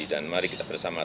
dan mari kita bersama sama